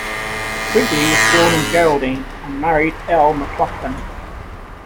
Quigley was born in Geraldine, and married Al McLauchlan.